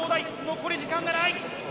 残り時間がない！